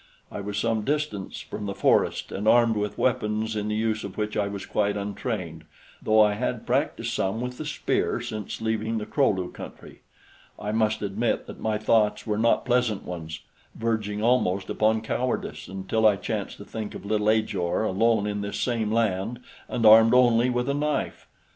I was some distance from the forest and armed with weapons in the use of which I was quite untrained, though I had practiced some with the spear since leaving the Kro lu country. I must admit that my thoughts were not pleasant ones, verging almost upon cowardice, until I chanced to think of little Ajor alone in this same land and armed only with a knife!